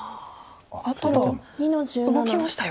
ただ動きましたよ。